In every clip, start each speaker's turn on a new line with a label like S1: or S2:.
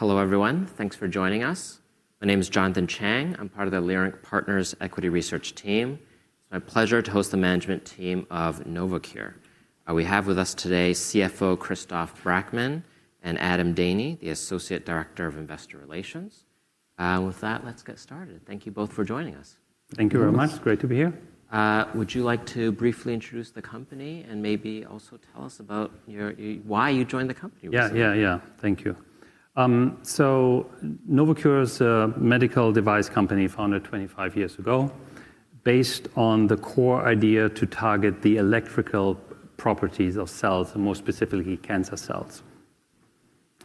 S1: All right. Hello, everyone. Thanks for joining us. My name is Jonathan Chang. I'm part of the Leerink Partners' equity research team. It's my pleasure to host the management team of Novocure. We have with us today CFO Christoph Brackmann and Adam Daney, the Associate Director of Investor Relations. With that, let's get started. Thank you both for joining us.
S2: Thank you very much. It's great to be here.
S1: Would you like to briefly introduce the company and maybe also tell us about why you joined the company?
S2: Yeah, yeah, yeah. Thank you. Novocure is a medical device company founded 25 years ago, based on the core idea to target the electrical properties of cells, and more specifically, cancer cells.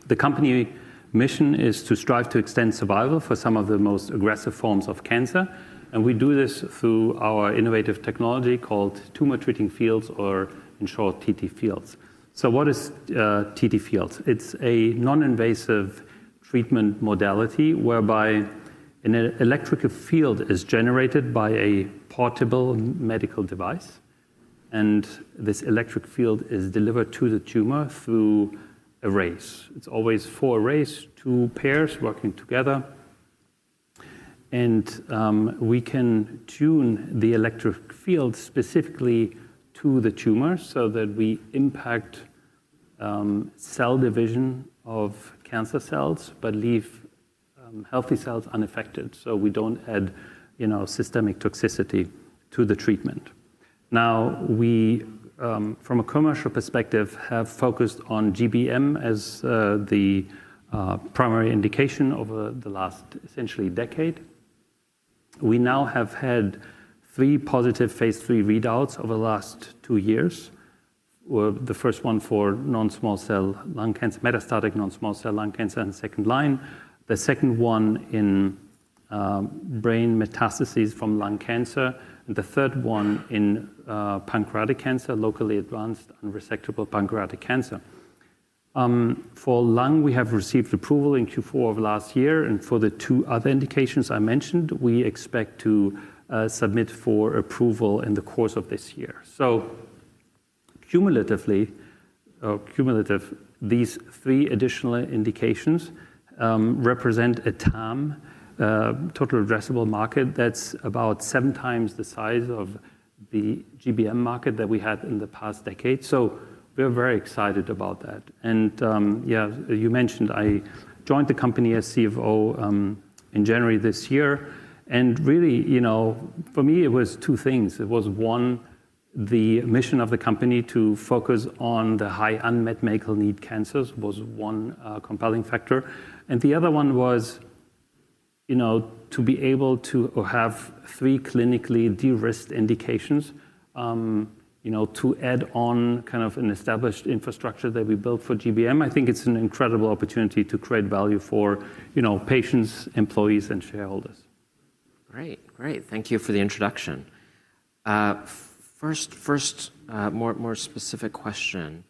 S2: The company mission is to strive to extend survival for some of the most aggressive forms of cancer. We do this through our innovative technology called Tumor Treating Fields, or in short, TTFields. What is TTFields? It is a non-invasive treatment modality whereby an electrical field is generated by a portable medical device. This electric field is delivered to the tumor through arrays. It is always four arrays, two pairs working together. We can tune the electric field specifically to the tumor so that we impact cell division of cancer cells but leave healthy cells unaffected. We do not add systemic toxicity to the treatment. Now, we, from a commercial perspective, have focused on GBM as the primary indication over the last, essentially, decade. We now have had three positive phase III readouts over the last two years. The first one for non-small cell lung cancer, metastatic non-small cell lung cancer in the second line, the second one in brain metastases from lung cancer, and the third one in pancreatic cancer, locally advanced and unresectable pancreatic cancer. For lung, we have received approval in Q4 of last year. For the two other indications I mentioned, we expect to submit for approval in the course of this year. Cumulatively, these three additional indications represent a TAM, total addressable market, that's about seven times the size of the GBM market that we had in the past decade. We're very excited about that. You mentioned I joined the company as CFO in January this year. Really, for me, it was two things. It was, one, the mission of the company to focus on the high unmet medical need cancers was one compelling factor. The other one was to be able to have three clinically de-risked indications to add on kind of an established infrastructure that we built for GBM. I think it's an incredible opportunity to create value for patients, employees, and shareholders.
S1: Great, great. Thank you for the introduction. First, more specific question.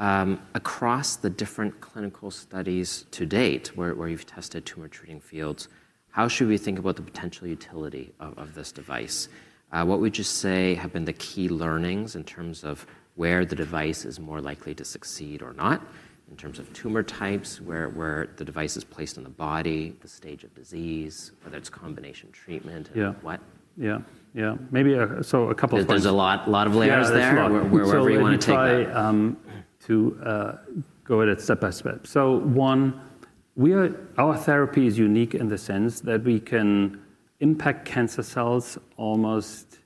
S1: Across the different clinical studies to date where you've tested Tumor Treating Fields, how should we think about the potential utility of this device? What would you say have been the key learnings in terms of where the device is more likely to succeed or not, in terms of tumor types, where the device is placed in the body, the stage of disease, whether it's combination treatment, and what?
S2: Yeah, maybe so a couple of things.
S1: There's a lot of layers there where we want to take that.
S2: Let me try to go at it step by step. One, our therapy is unique in the sense that we can impact cancer cells almost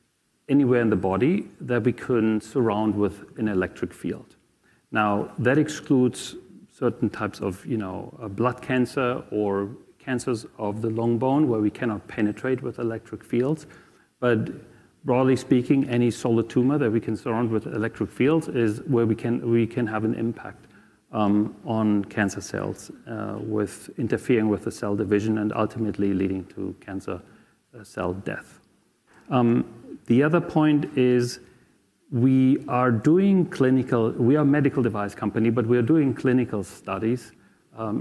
S2: anywhere in the body that we can surround with an electric field. That excludes certain types of blood cancer or cancers of the long bone where we cannot penetrate with electric fields. Broadly speaking, any solid tumor that we can surround with electric fields is where we can have an impact on cancer cells with interfering with the cell division and ultimately leading to cancer cell death. The other point is we are doing clinical, we are a medical device company, but we are doing clinical studies,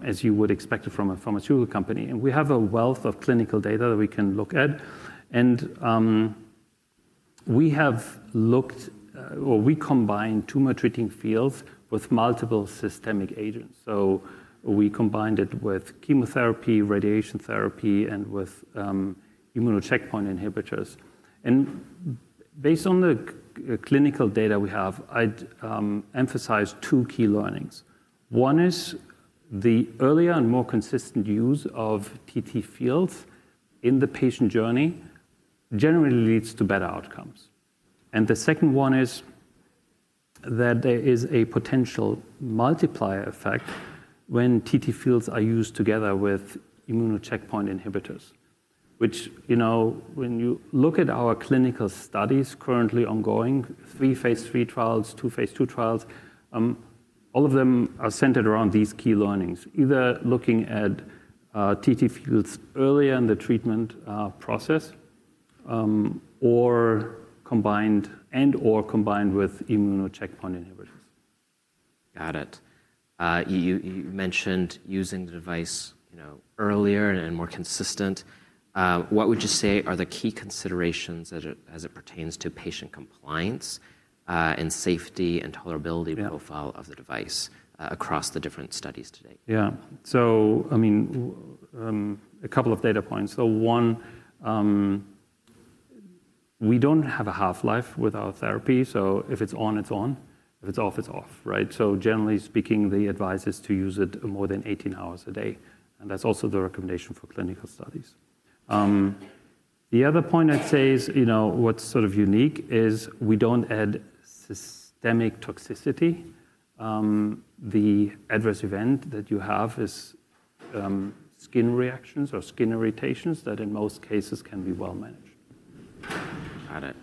S2: as you would expect from a pharmaceutical company. We have a wealth of clinical data that we can look at. We have looked or we combine Tumor Treating Fields with multiple systemic agents. We combined it with chemotherapy, radiation therapy, and with immune checkpoint inhibitors. Based on the clinical data we have, I'd emphasize two key learnings. One is the earlier and more consistent use of TTFields in the patient journey generally leads to better outcomes. The second one is that there is a potential multiplier effect when TTFields are used together with immune checkpoint inhibitors, which, when you look at our clinical studies currently ongoing, three phase III trials, two phase II trials, all of them are centered around these key learnings, either looking at TTFields earlier in the treatment process and/or combined with immune checkpoint inhibitors.
S1: Got it. You mentioned using the device earlier and more consistent. What would you say are the key considerations as it pertains to patient compliance and safety and tolerability profile of the device across the different studies today?
S2: Yeah. I mean, a couple of data points. One, we do not have a half-life with our therapy. If it is on, it is on. If it is off, it is off, right? Generally speaking, the advice is to use it more than 18 hours a day. That is also the recommendation for clinical studies. The other point I would say is what is sort of unique is we do not add systemic toxicity. The adverse event that you have is skin reactions or skin irritations that in most cases can be well managed.
S1: Got it.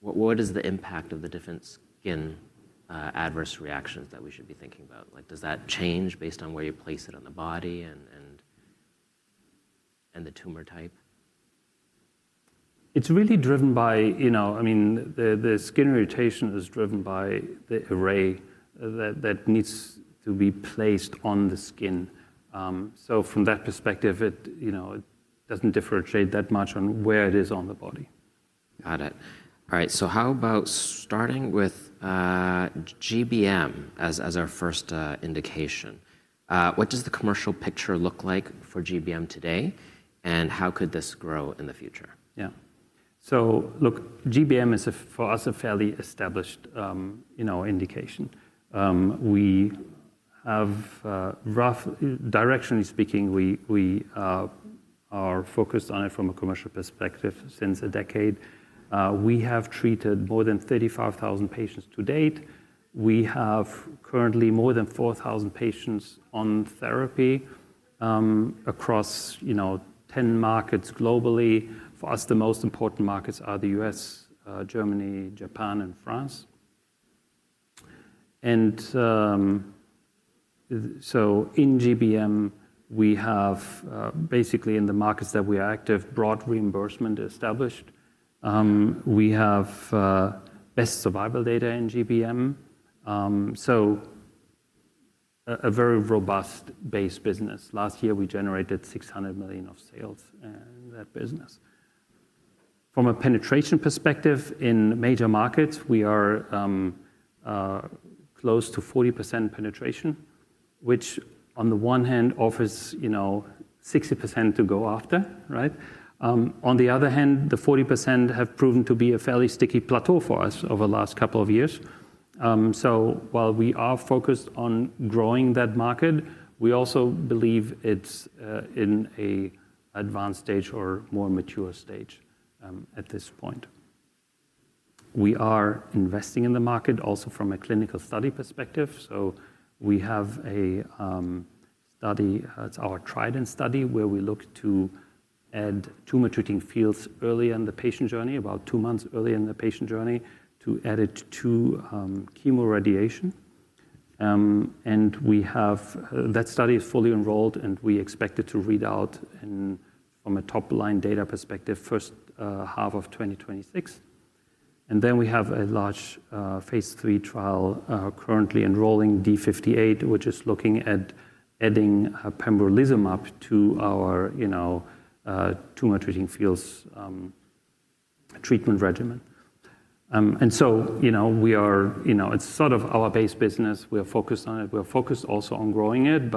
S1: What is the impact of the different skin adverse reactions that we should be thinking about? Does that change based on where you place it on the body and the tumor type?
S2: It's really driven by, I mean, the skin irritation is driven by the array that needs to be placed on the skin. From that perspective, it doesn't differentiate that much on where it is on the body.
S1: Got it. All right. How about starting with GBM as our first indication? What does the commercial picture look like for GBM today, and how could this grow in the future?
S2: Yeah. So look, GBM is, for us, a fairly established indication. Directionally speaking, we are focused on it from a commercial perspective since a decade. We have treated more than 35,000 patients to date. We have currently more than 4,000 patients on therapy across 10 markets globally. For us, the most important markets are the U.S., Germany, Japan, and France. In GBM, we have basically, in the markets that we are active, broad reimbursement established. We have best survival data in GBM. A very robust base business. Last year, we generated $600 million of sales in that business. From a penetration perspective, in major markets, we are close to 40% penetration, which on the one hand offers 60% to go after, right? On the other hand, the 40% have proven to be a fairly sticky plateau for us over the last couple of years. While we are focused on growing that market, we also believe it's in an advanced stage or more mature stage at this point. We are investing in the market also from a clinical study perspective. We have a study; it's our TRIDENT study where we look to add Tumor Treating Fields early in the patient journey, about two months early in the patient journey, to add it to chemoradiation. That study is fully enrolled, and we expect it to read out from a top-line data perspective first half of 2026. We have a large Phase III trial currently enrolling, D58, which is looking at adding pembrolizumab to our Tumor Treating Fields treatment regimen. It's sort of our base business. We are focused on it. We are focused also on growing it.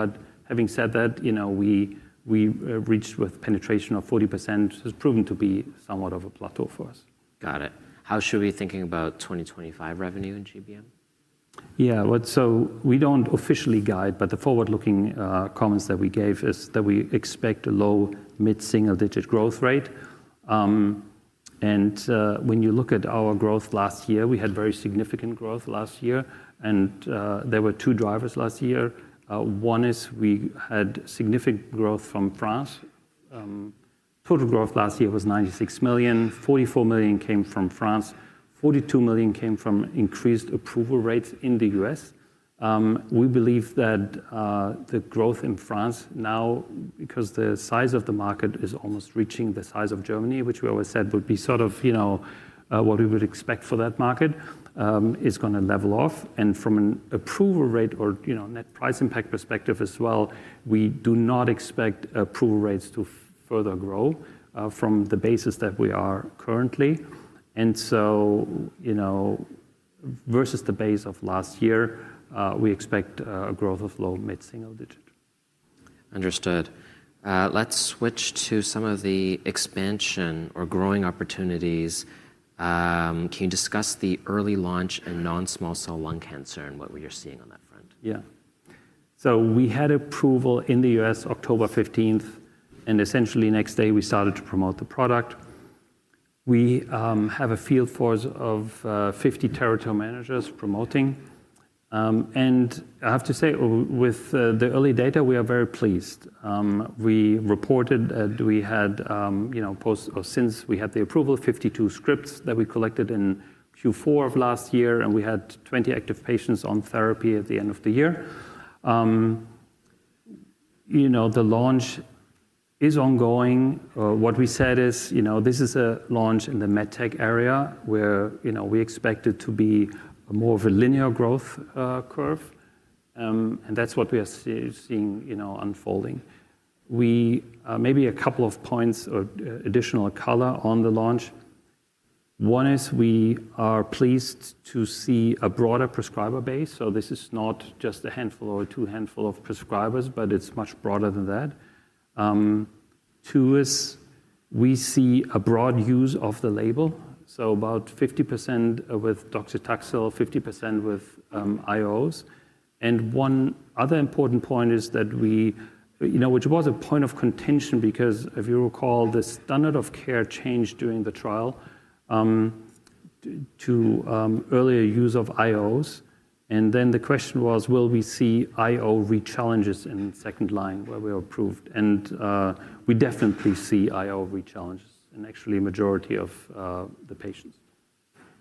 S2: Having said that, we reached with penetration of 40%. It has proven to be somewhat of a plateau for us.
S1: Got it. How should we be thinking about 2025 revenue in GBM?
S2: Yeah. We do not officially guide, but the forward-looking comments that we gave is that we expect a low, mid-single-digit growth rate. When you look at our growth last year, we had very significant growth last year. There were two drivers last year. One is we had significant growth from France. Total growth last year was $96 million. $44 million came from France. $42 million came from increased approval rates in the U.S. We believe that the growth in France now, because the size of the market is almost reaching the size of Germany, which we always said would be sort of what we would expect for that market, is going to level off. From an approval rate or net price impact perspective as well, we do not expect approval rates to further grow from the basis that we are currently. Versus the base of last year, we expect a growth of low, mid-single digit.
S1: Understood. Let's switch to some of the expansion or growing opportunities. Can you discuss the early launch in non-small cell lung cancer and what you're seeing on that front?
S2: Yeah. We had approval in the U.S. October 15. Essentially, the next day, we started to promote the product. We have a field force of 50 territory managers promoting. I have to say, with the early data, we are very pleased. We reported that we had, since we had the approval, 52 scripts that we collected in Q4 of last year. We had 20 active patients on therapy at the end of the year. The launch is ongoing. What we said is this is a launch in the med tech area where we expect it to be more of a linear growth curve. That is what we are seeing unfolding. Maybe a couple of points or additional color on the launch. One is we are pleased to see a broader prescriber base. This is not just a handful or a two-handful of prescribers, but it's much broader than that. Two is we see a broad use of the label, so about 50% with docetaxel, 50% with IOs. One other important point is that we, which was a point of contention because, if you recall, the standard of care changed during the trial to earlier use of IOs. The question was, will we see IO re-challenges in second line where we were approved? We definitely see IO re-challenges in actually a majority of the patients.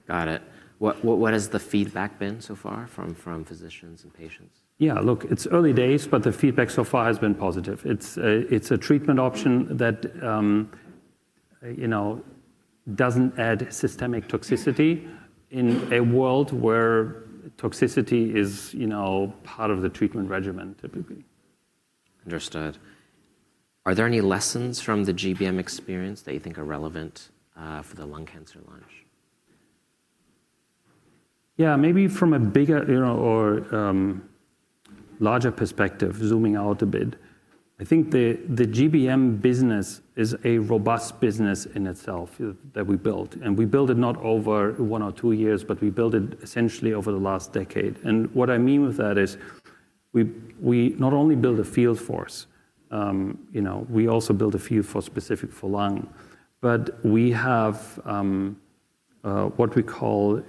S1: Got it. What has the feedback been so far from physicians and patients?
S2: Yeah. Look, it's early days, but the feedback so far has been positive. It's a treatment option that doesn't add systemic toxicity in a world where toxicity is part of the treatment regimen, typically.
S1: Understood. Are there any lessons from the GBM experience that you think are relevant for the lung cancer launch?
S2: Yeah. Maybe from a bigger or larger perspective, zooming out a bit, I think the GBM business is a robust business in itself that we built. We built it not over one or two years, but we built it essentially over the last decade. What I mean with that is we not only build a field force. We also build a field force specific for lung. We have what we call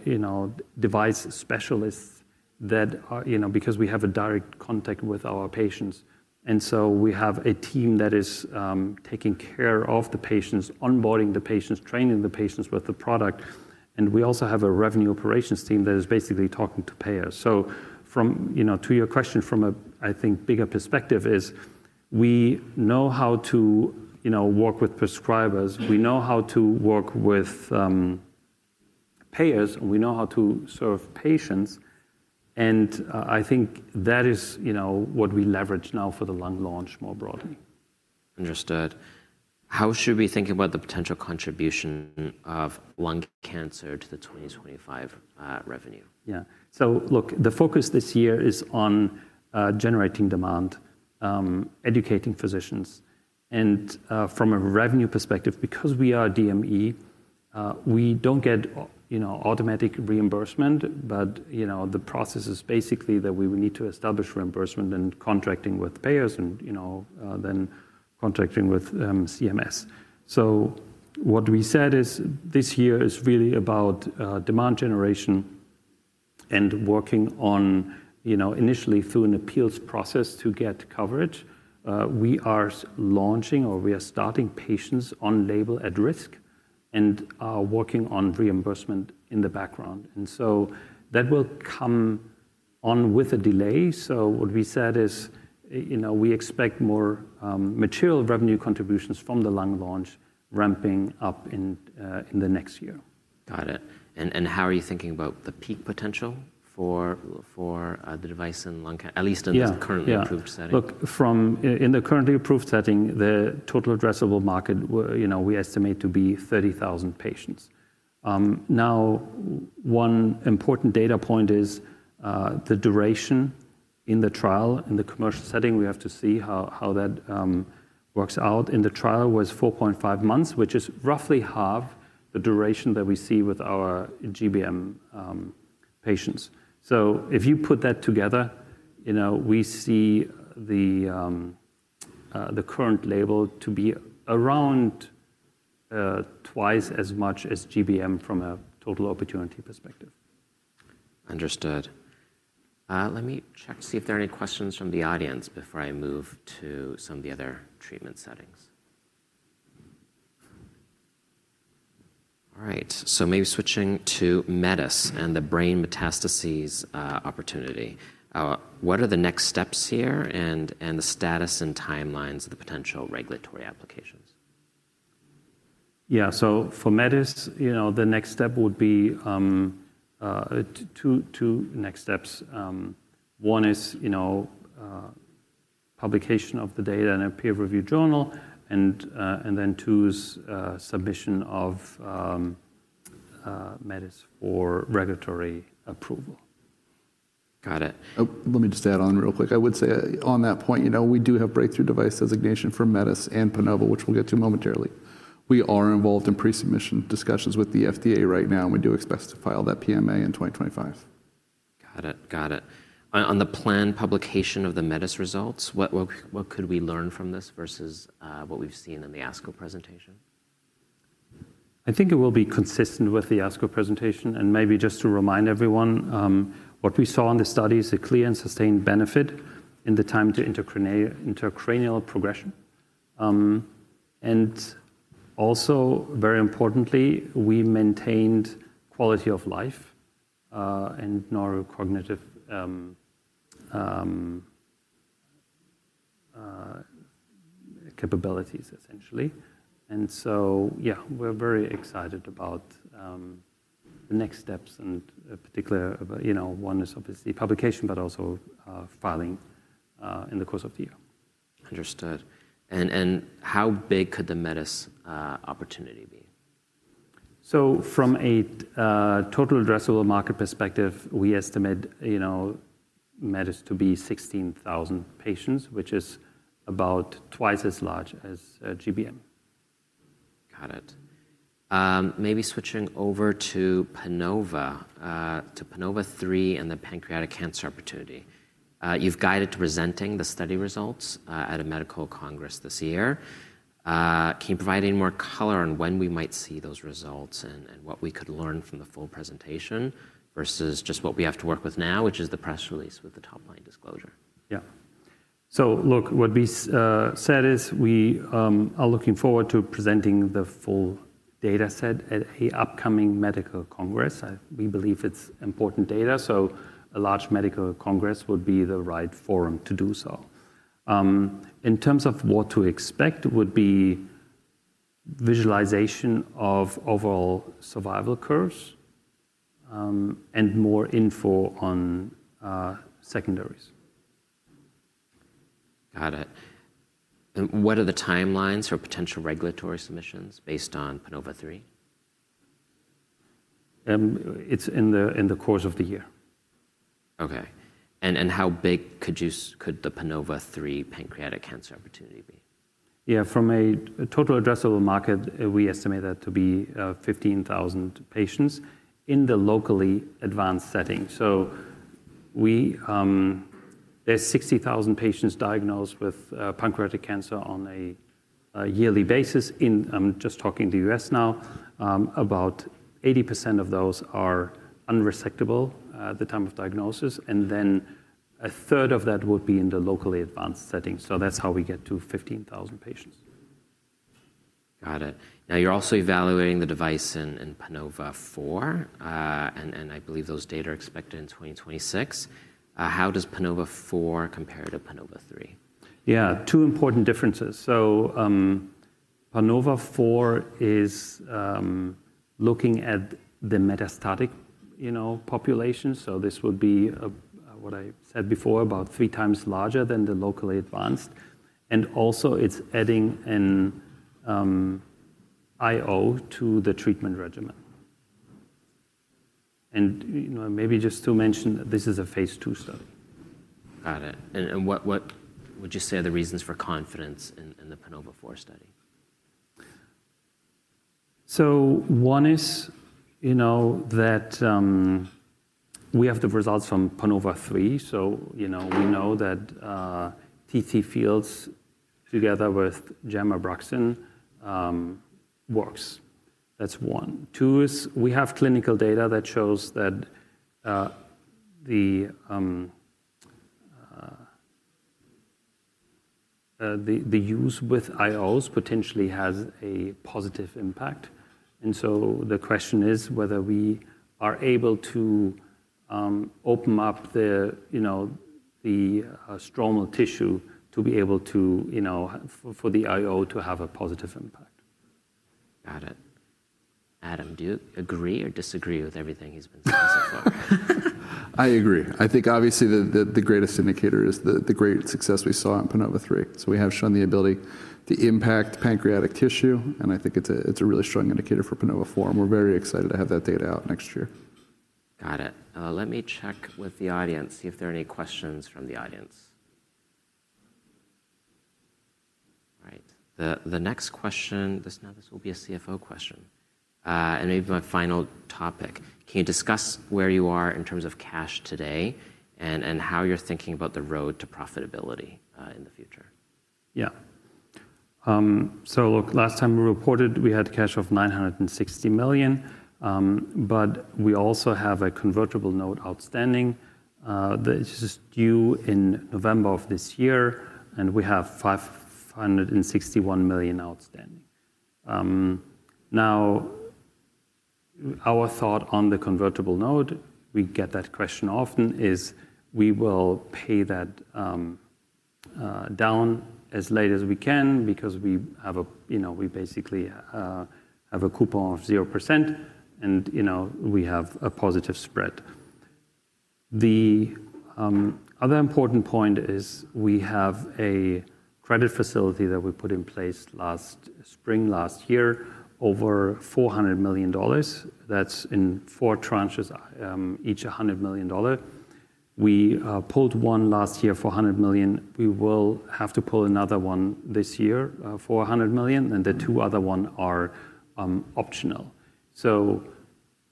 S2: device specialists because we have a direct contact with our patients. We have a team that is taking care of the patients, onboarding the patients, training the patients with the product. We also have a revenue operations team that is basically talking to payers. To your question, from a, I think, bigger perspective is we know how to work with prescribers. We know how to work with payers. We know how to serve patients. I think that is what we leverage now for the lung launch more broadly.
S1: Understood. How should we be thinking about the potential contribution of lung cancer to the 2025 revenue?
S2: Yeah. So look, the focus this year is on generating demand, educating physicians. From a revenue perspective, because we are DME, we do not get automatic reimbursement. The process is basically that we need to establish reimbursement and contracting with payers and then contracting with CMS. What we said is this year is really about demand generation and working on initially through an appeals process to get coverage. We are launching or we are starting patients on label at risk and are working on reimbursement in the background. That will come on with a delay. What we said is we expect more material revenue contributions from the lung launch ramping up in the next year.
S1: Got it. How are you thinking about the peak potential for the device in lung, at least in the currently approved setting?
S2: Yeah. Look, in the currently approved setting, the total addressable market we estimate to be 30,000 patients. Now, one important data point is the duration in the trial. In the commercial setting, we have to see how that works out. In the trial was 4.5 months, which is roughly half the duration that we see with our GBM patients. If you put that together, we see the current label to be around twice as much as GBM from a total opportunity perspective.
S1: Understood. Let me check to see if there are any questions from the audience before I move to some of the other treatment settings. All right. Maybe switching to METIS and the brain metastases opportunity. What are the next steps here and the status and timelines of the potential regulatory applications?
S2: Yeah. For METIS, the next step would be two next steps. One is publication of the data in a peer-reviewed journal. Two is submission of METIS for regulatory approval.
S1: Got it.
S3: Let me just add on real quick. I would say on that point, we do have breakthrough device designation for METIS and PANOVA, which we'll get to momentarily. We are involved in pre-submission discussions with the FDA right now. We do expect to file that PMA in 2025.
S1: Got it. Got it. On the planned publication of the METIS results, what could we learn from this versus what we've seen in the ASCO presentation?
S2: I think it will be consistent with the ASCO presentation. Maybe just to remind everyone, what we saw in the study is a clear and sustained benefit in the time to intracranial progression. Also, very importantly, we maintained quality of life and neurocognitive capabilities, essentially. Yeah, we're very excited about the next steps. Particularly, one is obviously publication, but also filing in the course of the year.
S1: Understood. How big could the METIS opportunity be?
S2: From a total addressable market perspective, we estimate METIS to be 16,000 patients, which is about twice as large as GBM.
S1: Got it. Maybe switching over to PANOVA-3 and the pancreatic cancer opportunity. You've guided to presenting the study results at a medical congress this year. Can you provide any more color on when we might see those results and what we could learn from the full presentation versus just what we have to work with now, which is the press release with the top-line disclosure?
S2: Yeah. Look, what we said is we are looking forward to presenting the full data set at an upcoming medical congress. We believe it's important data. A large medical congress would be the right forum to do so. In terms of what to expect, it would be visualization of overall survival curves and more info on secondaries.
S1: Got it. What are the timelines for potential regulatory submissions based on PANOVA-3?
S2: It's in the course of the year.
S1: OK. How big could the PANOVA-3 pancreatic cancer opportunity be?
S2: Yeah. From a total addressable market, we estimate that to be 15,000 patients in the locally advanced setting. There are 60,000 patients diagnosed with pancreatic cancer on a yearly basis. I'm just talking the U.S. now. About 80% of those are unresectable at the time of diagnosis. A third of that would be in the locally advanced setting. That is how we get to 15,000 patients.
S1: Got it. Now, you're also evaluating the device in PANOVA-4. And I believe those data are expected in 2026. How does PANOVA-4 compare to PANOVA-3?
S2: Yeah. Two important differences. PANOVA-4 is looking at the metastatic population. This would be, what I said before, about three times larger than the locally advanced. It is also adding an IO to the treatment regimen. Maybe just to mention, this is a phase II study.
S1: Got it. What would you say are the reasons for confidence in the PANOVA-4 study?
S2: One is that we have the results from PANOVA-3. We know that TTFields together with gemcitabine works. That's one. Two is we have clinical data that shows that the use with IOs potentially has a positive impact. The question is whether we are able to open up the stromal tissue to be able for the IO to have a positive impact.
S1: Got it. Adam, do you agree or disagree with everything he's been saying so far?
S3: I agree. I think, obviously, the greatest indicator is the great success we saw in PANOVA-3. We have shown the ability to impact pancreatic tissue. I think it's a really strong indicator for PANOVA-4. We're very excited to have that data out next year.
S1: Got it. Let me check with the audience, see if there are any questions from the audience. All right. The next question, now this will be a CFO question. Maybe my final topic. Can you discuss where you are in terms of cash today and how you're thinking about the road to profitability in the future?
S2: Yeah. So look, last time we reported, we had cash of $960 million. We also have a convertible note outstanding. It is due in November of this year. We have $561 million outstanding. Now, our thought on the convertible note, we get that question often, is we will pay that down as late as we can because we basically have a coupon of 0%. We have a positive spread. The other important point is we have a credit facility that we put in place last spring, last year, over $400 million. That is in four tranches, each $100 million. We pulled one last year for $100 million. We will have to pull another one this year for $100 million. The two other ones are optional.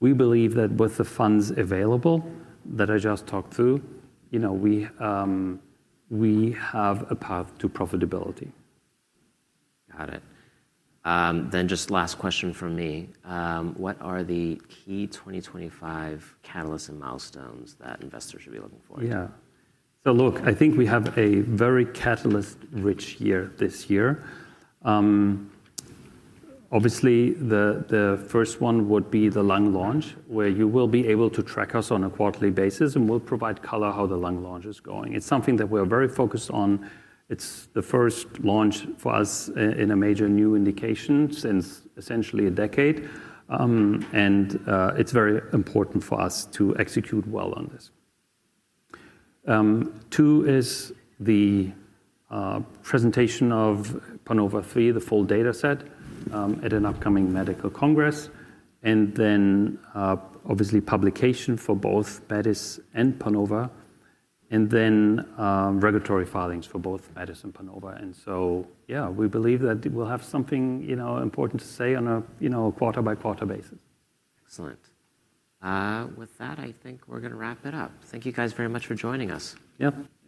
S2: We believe that with the funds available that I just talked through, we have a path to profitability.
S1: Got it. Then just last question from me. What are the key 2025 catalysts and milestones that investors should be looking for?
S2: Yeah. So look, I think we have a very catalyst-rich year this year. Obviously, the first one would be the lung launch, where you will be able to track us on a quarterly basis. We'll provide color how the lung launch is going. It's something that we are very focused on. It's the first launch for us in a major new indication since essentially a decade. It's very important for us to execute well on this. Two is the presentation of PANOVA-3, the full data set, at an upcoming medical congress. Obviously, publication for both METIS and PANOVA. Then regulatory filings for both METIS and PANOVA. Yeah, we believe that we'll have something important to say on a quarter-by-quarter basis.
S1: Excellent. With that, I think we're going to wrap it up. Thank you guys very much for joining us.
S2: Yep.